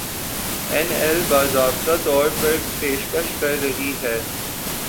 اینایل باضابطہ طور پر پیشکش کر رہی ہے